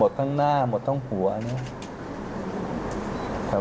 ขอบคุณพี่ด้วยนะครับ